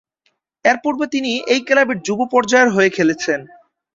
এরপূর্বে তিনি এই ক্লাবের যুব পর্যায়ের হয়ে খেলেছেন।